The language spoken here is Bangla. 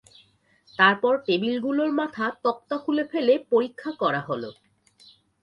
তারপর টেবিলগুলোর মাথার তক্তা খুলে ফেলে পরীক্ষা করা হল।